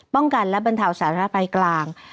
ป้องกันและบรรเทาสารภัยกลาง